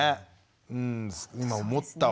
うん今思ったわ。